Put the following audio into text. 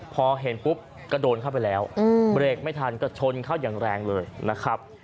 พอเห็นปุ๊บก็โดนเข้าไปแล้วเบรกไม่ทันก็ชนเข้าอย่างแรงเลยนะครับ